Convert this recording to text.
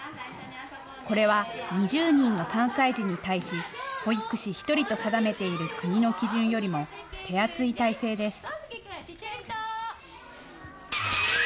これは２０人の３歳児に対し保育士１人と定めている国の基準よりも手厚い体制です。